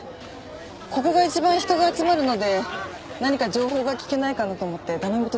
ここが一番人が集まるので何か情報が聞けないかなと思って駄目元で来てみたんです。